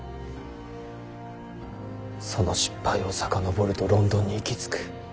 その失敗を遡るとロンドンに行き着く。